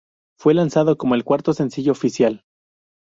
Fue lanzado como el cuarto sencillo oficial.